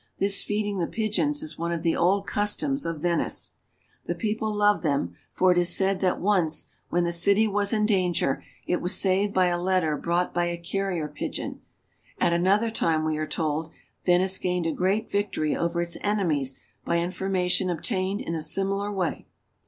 This feeding the pigeons is one of the old cus toms of Venice. The people love them, for it is said that once, when the city was in danger, it was saved by a letter brought by a carrier pigeon ; at another time, we are told, Venice gained a great victory over its enemies by infor mation obtained in a similar way.